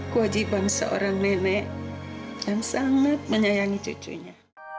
kewajiban seorang nenek yang sangat menyayangi cucunya